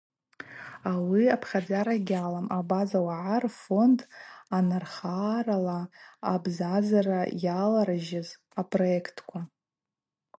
Ауи апхьадзара йгьалам Абаза уагӏа рфонд анархарала абзазара йаларжьыз апроектква.